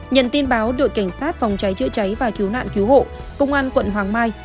nhận tin báo đội cảnh sát phòng cháy chữa cháy và cứu nạn cứu hộ công an quận hoàng mai